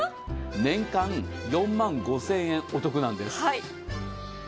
年間４万５０００円お得なんです。